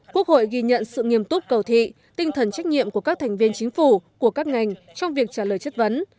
quốc hội ghi nhận sự nghiêm túc cầu thị tinh thần trách nhiệm của các thành viên chính phủ của các ngành trong việc trả lời chất vấn